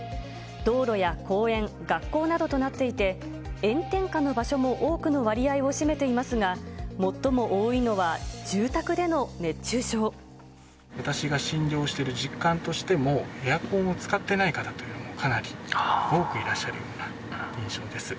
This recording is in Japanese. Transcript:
道路や公園、学校などとなっていて、炎天下の場所も多くの割合を占めていますが、最も多いのは、私が診療している実感としても、エアコンを使ってない方というのがかなり多くいらっしゃるような印象です。